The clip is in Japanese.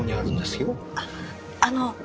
あっあの。